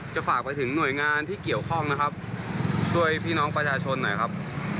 ฝากไปถึงหน่วยงานที่เกี่ยวข้องนะครับช่วยพี่น้องประชาชนหน่อยครับ